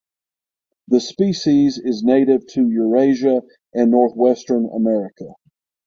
The species is native to Eurasia and Northwestern America.